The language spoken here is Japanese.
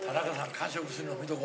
完食すんの見とこ。